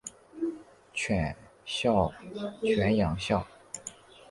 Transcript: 犬养孝。